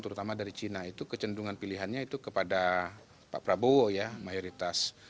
terutama dari cina itu kecenderungan pilihannya itu kepada pak prabowo ya mayoritas